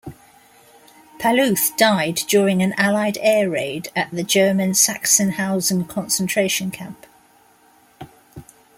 Palluth died during an Allied air raid at the German Sachsenhausen concentration camp.